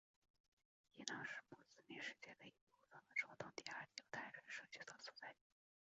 伊朗是穆斯林世界的一部分和中东第二大犹太人社群的所在地。